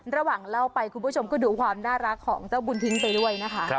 เล่าไปคุณผู้ชมก็ดูความน่ารักของเจ้าบุญทิ้งไปด้วยนะคะ